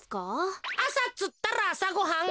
あさっつったらあさごはん。